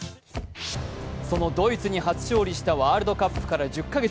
そのドイツに初勝利したワールドカップから１０か月。